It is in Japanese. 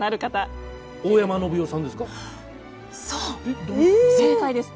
大山のぶ代さんですか？